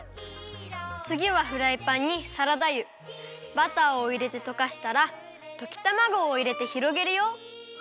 つぎはフライパンにサラダ油バターをいれてとかしたらときたまごをいれてひろげるよ。